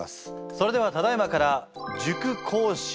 それではただいまから塾講師